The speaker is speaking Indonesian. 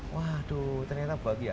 waduh ternyata bahagia